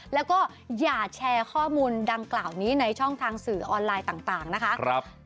แล้วก็อย่าแชร์ข้อมูลดังกล่าวนี้ในช่องทางสื่อออนไลน์ต่างนะคะ